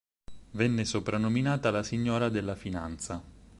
Venne soprannominata "La signora della finanza".